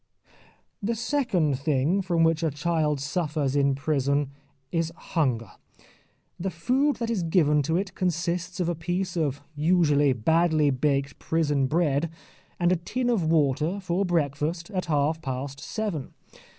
The second thing from which a child suffers in prison is hunger. The food that is given to it consists of a piece of usually badly baked prison bread and a tin of water for breakfast at half past seven.